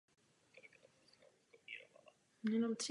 Důsledky toho nesou oba státy do současnosti.